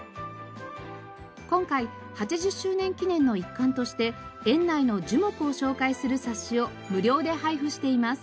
今回８０周年記念の一環として園内の樹木を紹介する冊子を無料で配布しています。